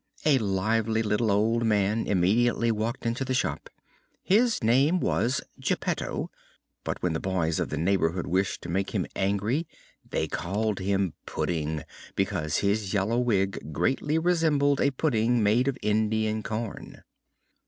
A lively little old man immediately walked into the shop. His name was Geppetto, but when the boys of the neighborhood wished to make him angry they called him Pudding, because his yellow wig greatly resembled a pudding made of Indian corn.